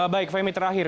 baik femi terakhir